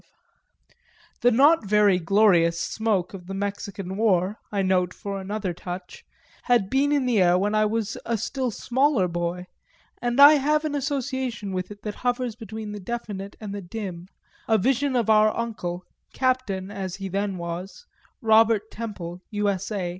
V The not very glorious smoke of the Mexican War, I note for another touch, had been in the air when I was a still smaller boy, and I have an association with it that hovers between the definite and the dim, a vision of our uncle (Captain as he then was) Robert Temple, U.S.A.